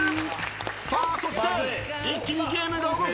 さあそして一気にゲームが動く！